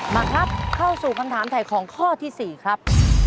มาครับเข้าสู่คำถามถ่ายของข้อที่๔ครับ